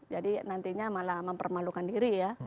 jadi nantinya malah mempermalukan diri ya